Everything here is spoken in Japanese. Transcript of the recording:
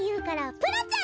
プラちゃん！